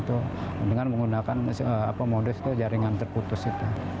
dengan menggunakan modus itu jaringan terputus itu